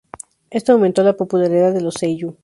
Esto aumentó la popularidad de los seiyū.